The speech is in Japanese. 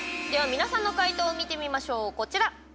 皆さんの解答を見てみましょう。